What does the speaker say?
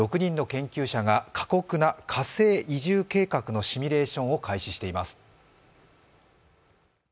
過酷な火星移住計画のシミュレーションを開始しています。